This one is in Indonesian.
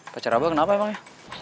pacar abah kenapa emangnya